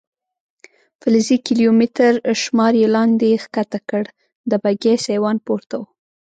فلزي کیلومتر شمار یې لاندې کښته کړ، د بګۍ سیوان پورته و.